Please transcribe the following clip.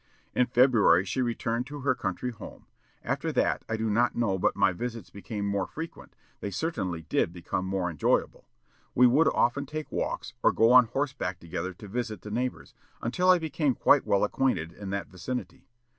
In February she returned to her country home. After that I do not know but my visits became more frequent; they certainly did become more enjoyable. We would often take walks, or go on horseback together to visit the neighbors, until I became quite well acquainted in that vicinity....